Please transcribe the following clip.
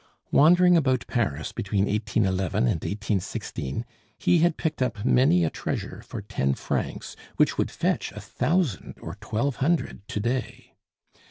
Wandering about Paris between 1811 and 1816, he had picked up many a treasure for ten francs, which would fetch a thousand or twelve hundred to day.